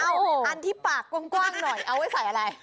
เอาอันที่ปากกว้างหน่อยเอาไว้ใส่อะไร